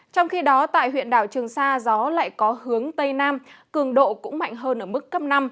trong khi đó tại huyện đảo trường sa gió lại có hướng tây nam cường độ cũng mạnh hơn ở mức cấp năm